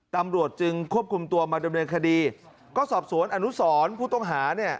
ตำรวจจึงควบคุมตัวมาดำเนินคดีก็สอบสวนอนุสรผู้ต้องหาเนี่ย